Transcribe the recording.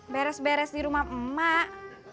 beres beres di rumah emak emak